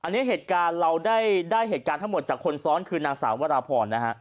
เรายังได้เหตุการณ์ทั้งหมดจากคนซ้อนคือนางสาววราพร